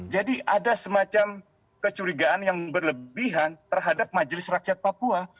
jadi ada semacam kecurigaan yang berlebihan terhadap majelis rakyat papua